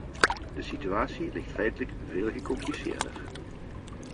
De situatie ligt feitelijk veel gecompliceerder.